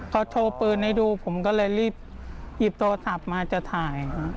เขาโชว์ปืนให้ดูผมก็เลยรีบหยิบโทรศัพท์มาจะถ่าย